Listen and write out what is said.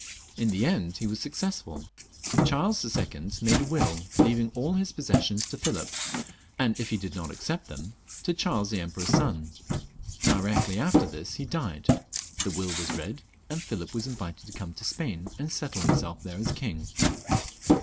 Li the end he was successful. Charles II. made a will leaving all his possessions to Philip, and if he did not accept them, to Charles, the Emperor^s son. Directly after this he died ; the will was read, and Philip was invited to come to Spain, and settle himself there as king.